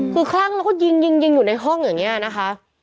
คือคลั่งแล้วก็ยิงยิงอยู่ในห้องอย่างนี้นะคะ